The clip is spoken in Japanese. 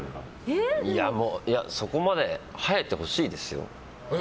そこまで生えてほしいですよ。